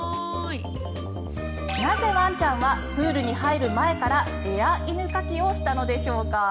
なぜ、ワンちゃんはプールに入る前からエア犬かきをしたのでしょうか。